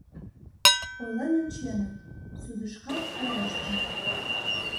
— Ойлен онченыт, судышкат верештыныт...